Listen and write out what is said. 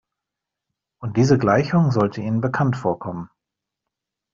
Und diese Gleichung sollte Ihnen bekannt vorkommen.